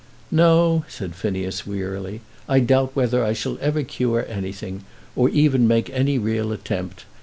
"No," said Phineas, wearily; "I doubt whether I shall ever cure anything, or even make any real attempt.